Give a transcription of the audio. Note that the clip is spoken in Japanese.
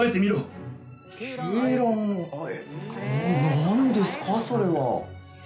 「何ですかそれは？」